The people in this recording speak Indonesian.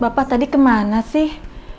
bapak tadi kemana sih